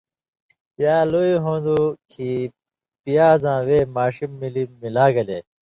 یا لُوہی ہُون٘دُوں کھیں پیازاں وے ماݜی ملی ملا گلے